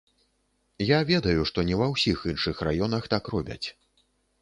Я ведаю, што не ва ўсіх іншых раёнах так робяць.